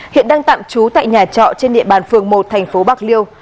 hiện đang tạm trú tại nhà trọ trên địa bàn phường một thành phố bạc liêu